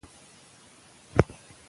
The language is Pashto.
لوستې نجونې د واده په اړه سمه پرېکړه کوي.